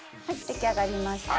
出来上がりました。